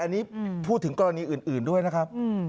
อันนี้อืมพูดถึงกรณีอื่นอื่นด้วยนะครับอืม